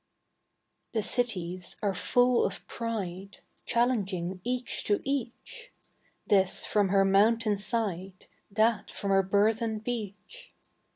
The Cities are full of pride, Challenging each to each This from her mountain side, That from her burthened beach.